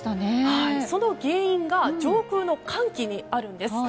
その原因が上空の寒気にあるんです。